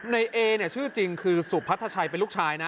เอเนี่ยชื่อจริงคือสุพัทชัยเป็นลูกชายนะ